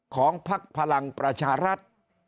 ของภักดิ์พลังประชารัฐ